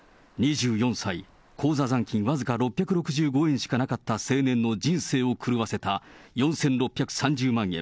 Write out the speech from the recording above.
２４歳、口座残金僅か６６５円しかなかった青年の人生を狂わせた４６３０万円。